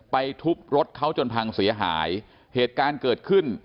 ทุบรถเขาจนพังเสียหายเหตุการณ์เกิดขึ้น